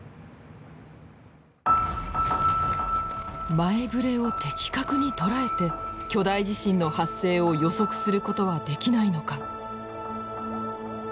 前ぶれを的確に捉えて巨大地震の発生を予測することはできないのか。